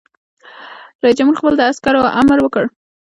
رئیس جمهور خپلو عسکرو ته امر وکړ؛ د خپلو وسایلو مسؤلیت واخلئ!